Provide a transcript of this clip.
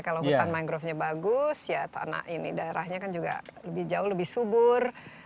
kalau hutan mangrovenya bagus ya tanah ini daerahnya kan juga lebih jauh lebih subur